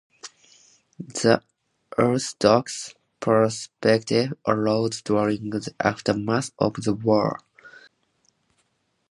The Orthodox perspective arose during the aftermath of the war.